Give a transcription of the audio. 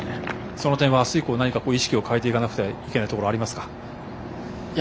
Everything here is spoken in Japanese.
その点は明日以降、何か意識を変えていかなくてはいけないところ、ありますか？